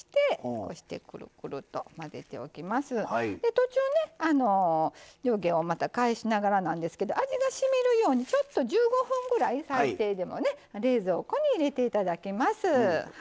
途中ね上下を返しながらなんですけど味がしみるように１５分ぐらい最低でもね冷蔵庫に入れていただきます。